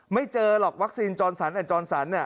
ไม่เจอหรอกวัคซีนจรสันไอ้จรสัน